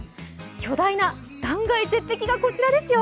巨大な断崖絶壁が、こちらですよ。